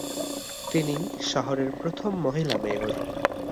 তিনি শহরের প্রথম মহিলা মেয়র।